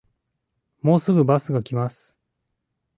もうすぐバスが来ます